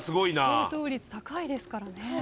正答率高いですからね。